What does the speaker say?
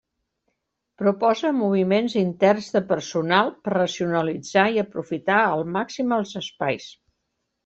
Proposa moviments interns de personal per racionalitzar i aprofitar al màxim els espais.